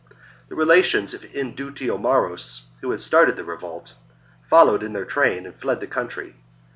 The relations of Indutiomarus, who had started the revolt, followed in their train and fled the country.